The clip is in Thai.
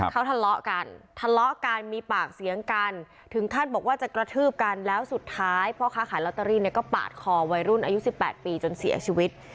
เขาทะเลาะกันทะเลาะกันมีปากเสียงกันถึงขั้นบอกว่าจะกระทืบกันแล้วสุดท้ายพ่อค้าขายลอตเตอรี่เนี่ยก็ปาดคอวัยรุ่นอายุ๑๘ปีจนเสียชีวิต